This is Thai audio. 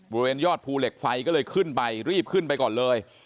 บริเวณยอดภูเหล็กไฟก็เลยขึ้นไปรีบขึ้นไปก่อนเลย